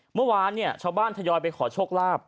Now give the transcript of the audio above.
เมื่อวานเนี่ยชาวบ้านทยอยไปขอโชคลาภ